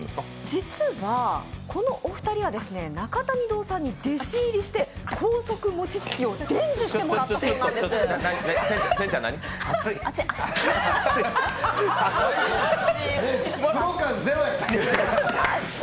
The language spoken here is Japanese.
実はこのお二人は中谷堂さんに弟子入りして高速餅つきを伝授してもらったそうなんです。